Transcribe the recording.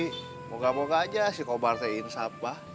hai muka muka aja sih kabar teh insya allah